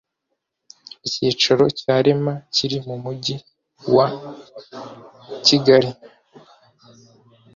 icyicaro cya rema kiri mu mujyi wa kigali